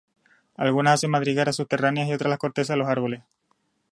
Algunas hacen madrigueras subterráneas, y otras en la corteza de los árboles.